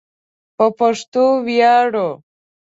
په پښتو ویاړو